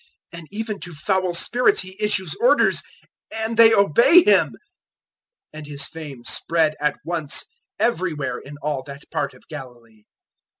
And even to foul spirits he issues orders and they obey him!" 001:028 And His fame spread at once everywhere in all that part of Galilee.